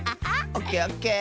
オッケーオッケー！